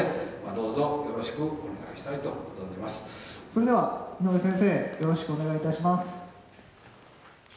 それでは井上先生よろしくお願いいたします。